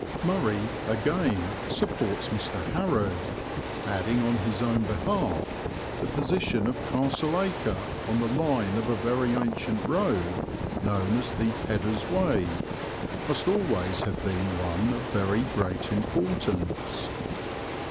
'" "Murray," again, supports Mr. Harrod, adding on his own behalf "the position of Castle Acre, on the line of a very ancient road, known as the 'Peddar's Way,' must always have been one of very great importance."